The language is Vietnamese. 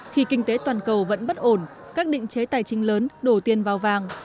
khi kinh tế toàn cầu vẫn bất ổn các định chế tài chính lớn đổ tiền vào vàng